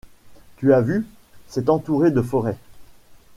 Tu as vu ? C'est entouré de forêts.